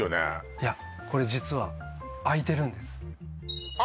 いやこれ実はあいてるんですあ